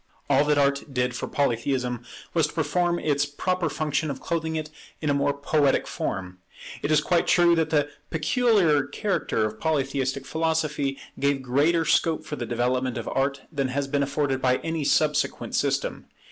All that Art did for Polytheism was to perform its proper function of clothing it in a more poetic form. It is quite true that the peculiar character of Polytheistic philosophy gave greater scope for the development of Art than has been afforded by any subsequent system.